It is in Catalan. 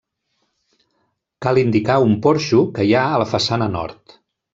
Cal indicar un porxo que hi ha a la façana nord.